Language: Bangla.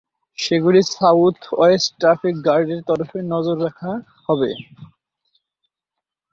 সেগুলি সাউথ-ওয়েস্ট ট্র্যাফিক গার্ডের তরফে নজরে রাখা হবে।